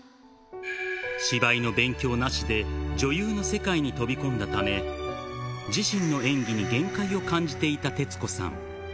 芝居の勉強なしで女優の世界に飛び込んだため、自身の演技に限界を感じていた徹子さん。